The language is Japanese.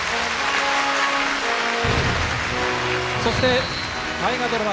そして大河ドラマ